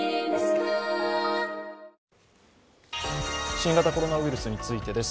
新型コロナウイルスについてです。